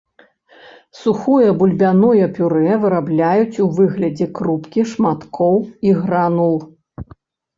Сухое бульбяное пюрэ вырабляюць у выглядзе крупкі, шматкоў і гранул.